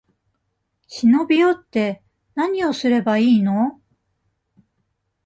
忍び寄って、なにをすればいいの？